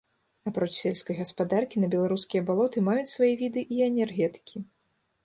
Апроч сельскай гаспадаркі на беларускія балоты маюць свае віды і энергетыкі.